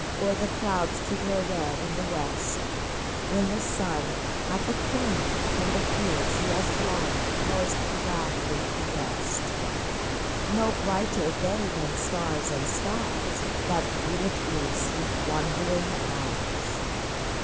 Or the clouds to grow red in the west, When the sun, like a king, from the fields he has won, Goes grandly to rest ? No brighter they than stars and skies That greeted Eve's sweet, wondering eyes